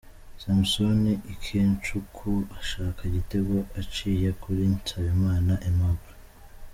Samson Ikechukwu ashaka igitego aciye kuri Nsabimana Aimable.